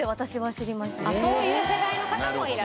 そういう世代の方もいらっしゃる。